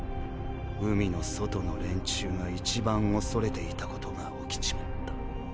海の外の連中が一番恐れていたことが起きちまった。